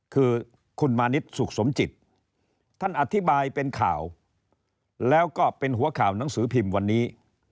คือคุณมานิดสุขสมจิตท่านอธิบายเป็นข่าวแล้วก็เป็นหัวข่าวหนังสือพิมพ์วันนี้